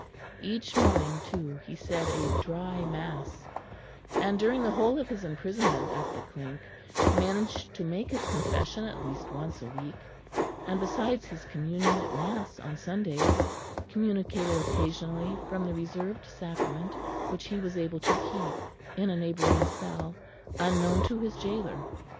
Each morning, too, he said a "dry mass," and during the whole of his imprisonment at the Clink managed to make his confession at least once a week, and besides his communion at mass on Sundays, communicated occasionally from the Reserved Sacrament, which he was able to keep in a neighbouring cell, unknown to his gaoler.